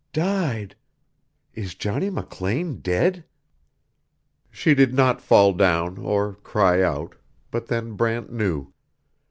"Died? Is Johnny McLean dead?" She did fall down, or cry out, but then Brant knew.